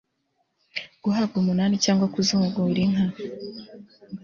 guhabwa umunani cyangwa kuzungura inka